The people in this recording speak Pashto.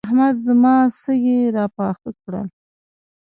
احمد زما سږي راپاخه کړل.